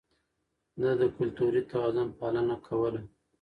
ده د کلتوري توازن پالنه کوله.